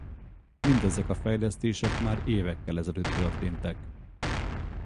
Mindezek a fejlesztések már évekkel ezelőtt történtek.